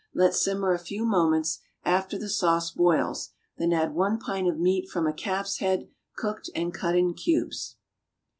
Let simmer a few moments, after the sauce boils; then add one pint of meat from a calf's head, cooked and cut in cubes.